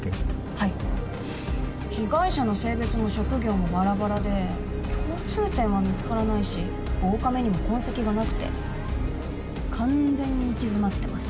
はい被害者の性別も職業もバラバラで共通点は見つからないし防カメにも痕跡がなくて完全に行き詰まってます。